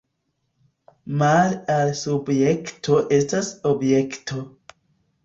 Male al subjekto estas objekto.